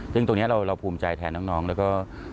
ซึ่งตรงนี้เราภูมิใจแทนน้องแล้วก็